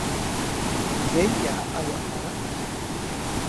Què hi ha allà fora?